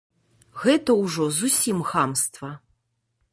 Гэта ўжо зусім хамства.